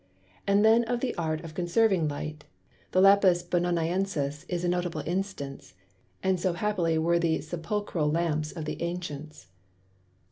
And then of the Art of Conserving Light, the Lapis Bononiensis is a notable Instance; and so happily were the Sepulchral Lamps of the Ancients.